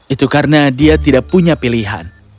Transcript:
itu karena dia tidak punya pilihan